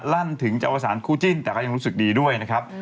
ลั่นถึงจะอวสารคู่จิ้นแต่ก็ยังรู้สึกดีด้วยนะครับ